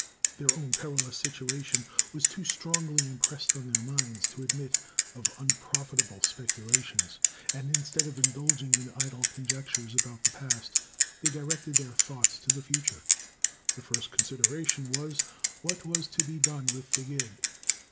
Their own perilous situation was too strongly impressed on their minds to admit of unprofitable speculations; and instead of indulging in idle conjectures about the past, they directed their thoughts to the future. The first consideration was, what was to be done with the gig?